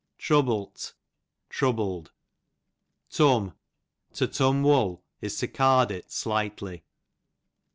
Troubl't, troubled. Turn, to turn wool, is to card it slightly.